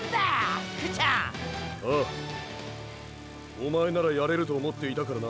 おまえならやれると思っていたからな。